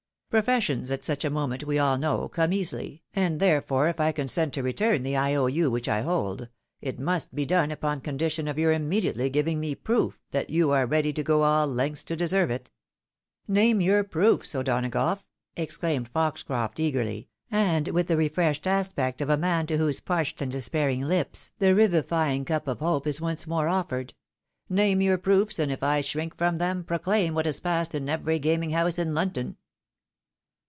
Professions at such a moment, we all know, come easily, and therefore if I consent to return the I O U which I hold, it must be done upon condition of your immediately giving ■ms proof that you areready to go aU lengths to deserve it." "Name youc proofe, O'Donagough!" exclaimed Foxcroft, eagerly, and with the refreshed aspect of a man to whose parched and despairing looks the revivifying cup of hope is once more offered ;" name your proofs, and if I shrink from them, pro claim what has passed in every gaming house in London."